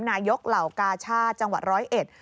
นายกเหล่ากาชาติจังหวัดร้อยเอ็ด